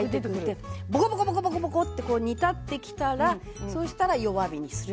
ボコボコボコボコってこう煮立ってきたらそうしたら弱火にする。